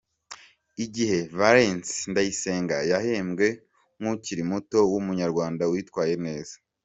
Iki gihe Valens Ndayisenga yahembwe nk’ukiri muto w’umunyarwanda witwaye neza.